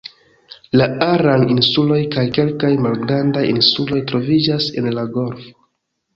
La Aran-insuloj kaj kelkaj malgrandaj insuloj troviĝas en la golfo.